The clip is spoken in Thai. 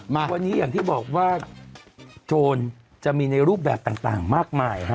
มาวันนี้อย่างที่บอกว่าโจรจะมีในรูปแบบต่างมากมายฮะ